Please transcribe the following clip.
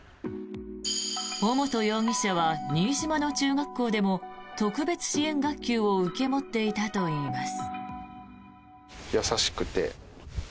尾本容疑者は新島の中学校でも特別支援学級を受け持っていたといいます。